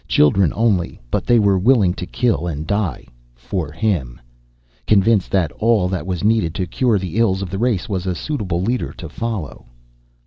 Children only, but they were willing to kill and die, for him, convinced that all that was needed to cure the ills of the race was a suitable leader to follow.